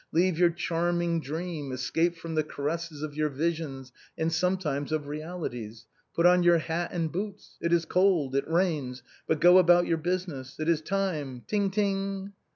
Leave your charming dream, escape from the caresses of your visions, and sometimes of realities. Put on your hat and boots. It is cold, it rains, but go about your business. It is time — ting, ting.'